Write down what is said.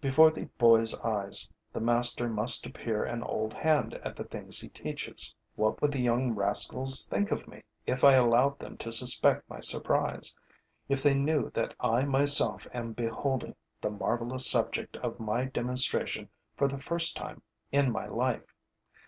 Before the boys' eyes, the master must appear an old hand at the things he teaches. What would the young rascals think of me if I allowed them to suspect my surprise, if they knew that I myself am beholding the marvelous subject of my demonstration for the first time in my life?